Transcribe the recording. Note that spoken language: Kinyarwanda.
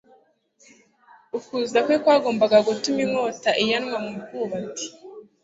ukuza kwe kwagombaga gutuma inkota iyanwa mu rwubati.